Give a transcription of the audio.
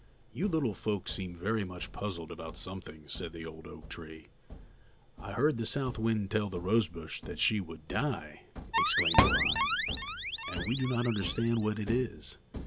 "You little folks seem very much puzzled about something," said the old oak tree. "I heard the south wind tell the rose bush that she would die," exclaimed the vine, "and we do not understand what it is.